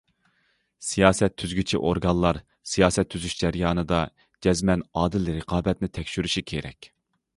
سىياسەت تۈزگۈچى ئورگانلار سىياسەت تۈزۈش جەريانىدا جەزمەن ئادىل رىقابەتنى تەكشۈرۈشى كېرەك.